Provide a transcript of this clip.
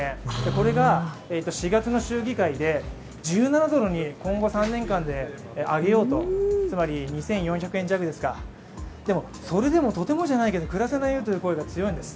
これが４月の州議会であげようと、つまり２４００円弱ですか、それでもとてもじゃないけど暮らせないよという声が強いんです。